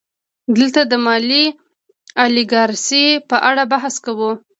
دلته د مالي الیګارشۍ په اړه بحث کوو